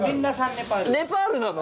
ネパールなの！？